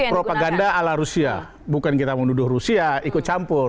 propaganda ala rusia bukan kita menuduh rusia ikut campur